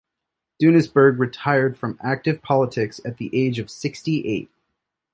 Duisenberg retired from active politics at the age of sixty-eight.